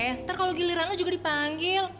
nanti kalau giliran lu juga dipanggil